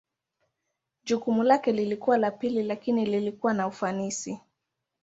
Jukumu lake lilikuwa la pili lakini lilikuwa na ufanisi.